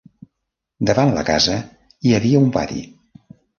Davant la casa hi havia un pati.